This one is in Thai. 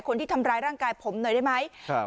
คนที่ทำร้ายร่างกายผมหน่อยได้ไหมครับ